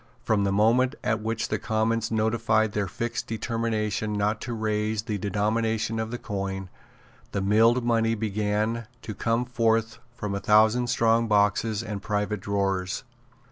From the moment at which the Commons notified their fixed determination not to raise the denomination of the coin, the milled money began to come forth from a thousand strong boxes and private drawers.